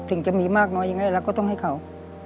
สิ่งจะมีมากน้อยยังไงเราก็ต้องให้เขา